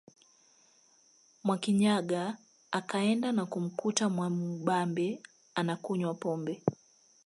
Mwakinyaga akaenda na kumkuta Mwamubambe anakunywa pombe